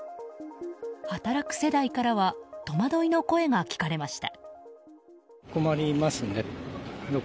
働く世代からは戸惑いの声が聞かれました。